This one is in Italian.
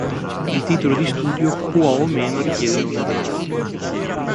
Il titolo di studio può o meno richiedere una tesi.